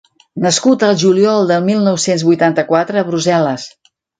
Nascut el juliol del mil nou-cents vuitanta-quatre a Brussel·les.